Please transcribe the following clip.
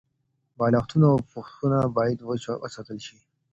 بالښتونه او پوښونه باید وچ وساتل شي.